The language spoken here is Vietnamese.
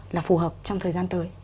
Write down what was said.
là phù hợp trong thời gian tới